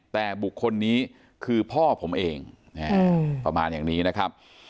แต่บุคคลนี้คือพ่อผมเองประมาณอย่างนี้นะครับ